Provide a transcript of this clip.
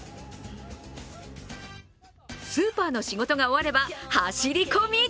スーパーの仕事が終われば走り込み。